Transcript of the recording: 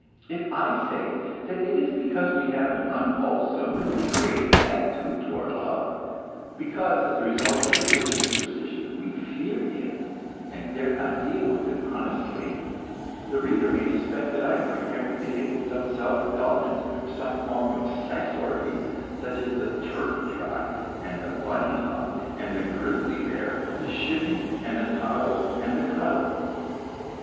If I say that it is because we have an unwholesome and degraded attitude toward love, because, as a result of religious superstition we fear it, and dare not deal with it honestly, the reader may suspect that I am preparing to hint at some self indulgence, some form of sex orgy such as the "turkey trot" and the "bunny hug" and the "grizzly bear," the "shimmy" and the "toddle" and the "cuddle."